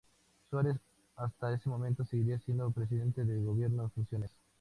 Suárez hasta ese momento seguiría siendo presidente del gobierno en funciones.